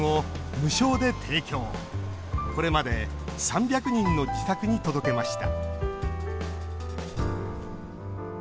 これまで３００人の自宅に届けました